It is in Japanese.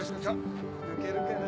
抜けるかな？